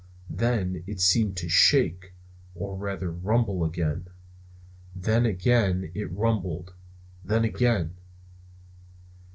Then it seemed to shake, or rather rumble again. Then again it rumbled. Then again!